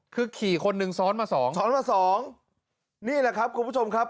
คือขี่คนหนึ่งซ้อนมาสองซ้อนมาสองนี่แหละครับคุณผู้ชมครับ